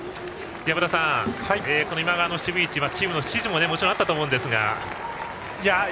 和田さん、今川の守備位置はチームの指示もあったとは思いますが。